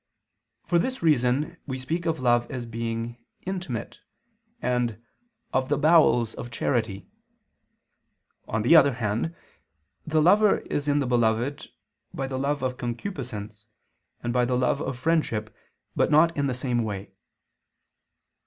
For this reason we speak of love as being "intimate"; and "of the bowels of charity." On the other hand, the lover is in the beloved, by the love of concupiscence and by the love of friendship, but not in the same way.